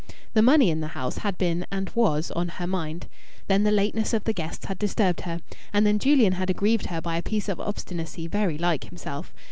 The money in the house had been, and was, on her mind. Then the lateness of the guests had disturbed her. And then Julian had aggrieved her by a piece of obstinacy very like himself.